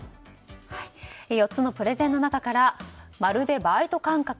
４つのプレゼンの中からまるでバイト感覚。